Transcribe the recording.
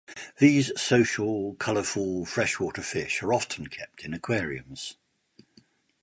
These social, colorful freshwater fish are often kept in aquariums.